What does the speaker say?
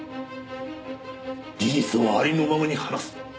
事実をありのままに話す。